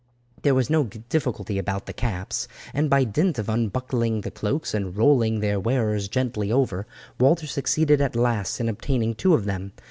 There was no difficulty about the caps, and by dint of unbuckling the cloaks and rolling their wearers gently over, Walter succeeded at last in obtaining two of them.